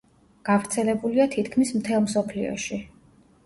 გავრცელებულია თითქმის მთელ მსოფლიოში.